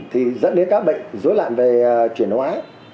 thì dẫn đến các bệnh dối loạn về chuyển hóa